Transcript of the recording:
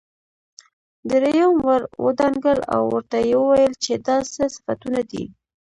دريم ور ودانګل او ورته يې وويل چې دا څه صفتونه دي.